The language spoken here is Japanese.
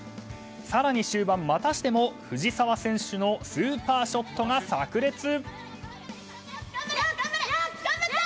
更に終盤、またしても藤澤選手のスーパーショットが炸裂！